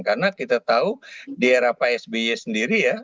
karena kita tahu di era psby sendiri ya